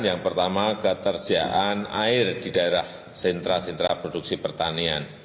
yang pertama ketersediaan air di daerah sentra sentra produksi pertanian